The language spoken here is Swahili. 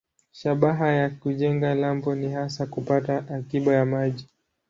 Shabaha ya kujenga lambo ni hasa kupata akiba ya maji.